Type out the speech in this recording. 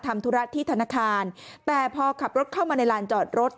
ธุระที่ธนาคารแต่พอขับรถเข้ามาในลานจอดรถ